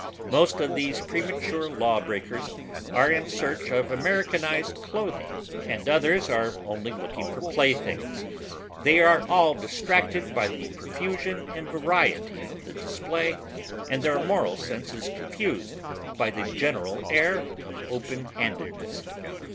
Most of these premature law breakers are in search of Americanized clothing and others are only looking for playthings. They are all distracted by the profusion and variety of the display, and their moral sense is confused by the general air of openhandedness.